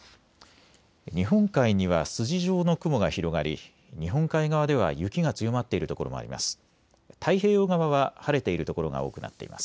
日本海には筋状の雲が広がり日本海側では雪が強まっている所もあります。